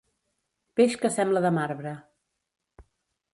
Peix que sembla de marbre.